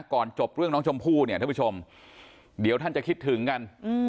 ก่อนจบเรื่องน้องชมพู่เนี่ยท่านผู้ชมเดี๋ยวท่านจะคิดถึงกัน